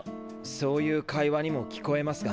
そういう会話にも聞こえますが。